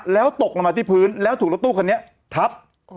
แล้วตกลงมาที่พื้นแล้วถูกรถตู้คันนี้ทับ